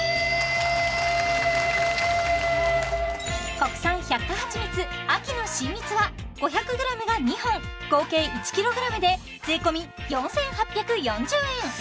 国産百花はちみつ秋の新蜜は５００ｇが２本合計１ｋｇで税込４８４０円